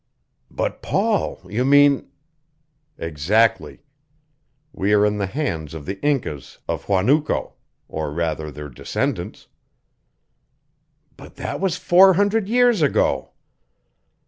"But, Paul! You mean " "Exactly. We are in the hands of the Incas of Huanuco or rather their descendants." "But that was four hundred years ago!"